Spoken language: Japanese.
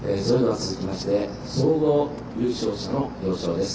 続きまして総合優勝者の表彰です。